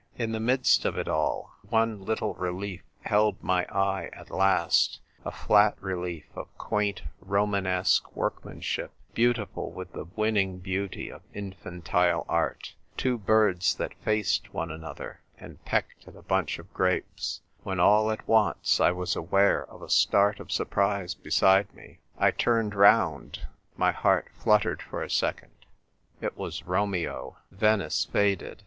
In the midst of it all, one little relief held my eye at last — aflat relief of quaint Romanesque work manship, beautiful with the winning beauty of infantile art; two birds that faced one another, and pecked at a bunch of grapes — when, all at once, 1 was aware of a start of surprise beside me. I turned round. My heart flut tered for a second. It was Romeo. Venice faded.